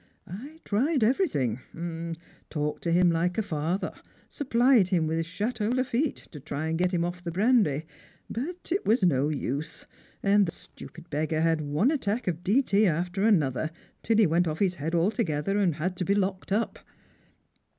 I tried everything; talked to him like a father, supplied him with chateau Lafitte, to try and get him otf brandy ; but it was no use, and the stupid beggar had one attack of D. T. after another, till he went off his head alto gether, and had to be locked up."